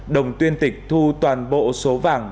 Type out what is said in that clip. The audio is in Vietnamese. đồng tuyên tịch thu toàn bộ số vàng